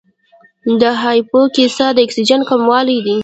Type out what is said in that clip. د هایپوکسیا د اکسیجن کموالی دی.